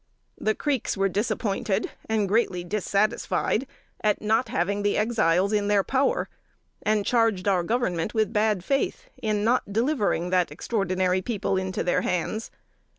The Creeks were disappointed, and greatly dissatisfied at not having the Exiles in their power, and charged our Government with bad faith in not delivering that extraordinary people into their hands.